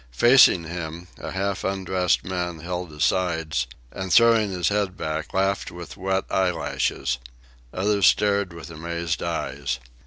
Facing him, a half undressed man held his sides, and, throwing his head back, laughed with wet eyelashes. Others stared with amazed eyes.